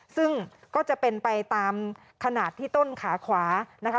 ซึ่งก็จะเป็นไปตามขนาดที่ต้นขาขวานะคะ